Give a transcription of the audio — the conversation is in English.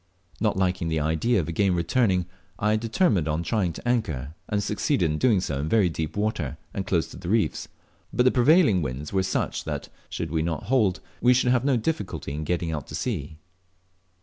Not liking the idea of again returning, I determined on trying to anchor, and succeeded in doing so, in very deep water and close to the reefs; but the prevailing winds were such that, should we not hold, we should have no difficulty in getting out to sea.